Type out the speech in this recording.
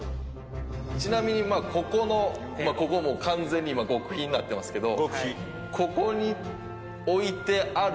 ちなみに、ここも完全に極秘になってますけど。